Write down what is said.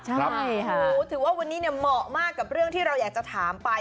ใช่ค่ะถือว่าวันนี้เหมาะมากกับเรื่องที่เราอยากจะถามไป